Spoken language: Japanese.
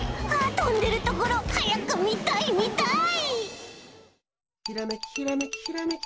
とんでるところはやくみたいみたい！